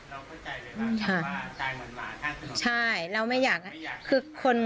เราเข้าใจเลยค่ะคำว่าตายเหมือนหมาข้างถนน